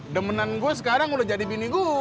demenan gue sekarang udah jadi bini gue